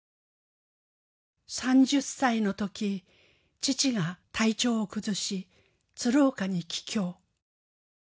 ３０歳のとき父が体調を崩し鶴岡に帰郷。